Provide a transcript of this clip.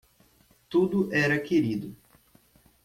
Tudo era querido.